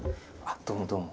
どうもどうも。